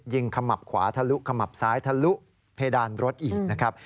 ขมับขวาทะลุขมับซ้ายทะลุเพดานรถอีกนะครับ